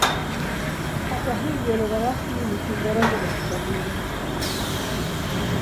Hata hivyo lugha rasmi ni Kiingereza na Kiswahili.